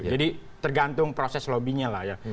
jadi tergantung proses lobbynya lah ya